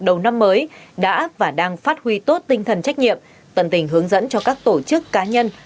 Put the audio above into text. đầu năm mới đã và đang phát huy tốt tinh thần trách nhiệm tận tình hướng dẫn cho các tổ chức cá nhân